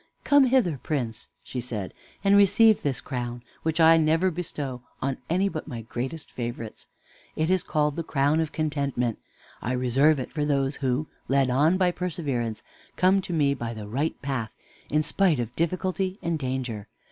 "Come hither, Prince," she said, "and receive this crown, which I never bestow on any but my greatest favorites. It is called the crown of Contentment. I reserve it for those who, led on by Perseverance, come to me by the Right Path, in spite of Difficulty and Danger.